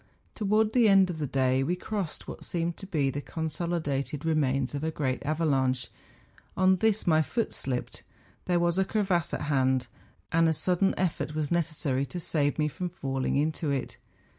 Towards the end of the day we crossed what seemed to be the consolidated re¬ mains of a great avalanche ; on this my foot slipped ; there was a crevasse at hand, and a sudden effott was necessary to save me from falling into it.